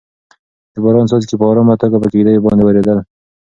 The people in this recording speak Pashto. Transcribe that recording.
د باران څاڅکي په ارامه توګه په کيږديو باندې ورېدل.